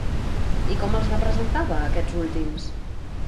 I com els representava aquests últims?